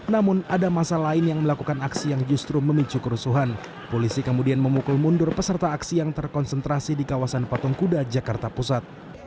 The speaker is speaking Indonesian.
namun ada masa lain yang melakukan aksi yang justru memicu kerusuhan polisi kemudian memukul mundur peserta aksi yang terkonsentrasi di kawasan patung kuda jakarta pusat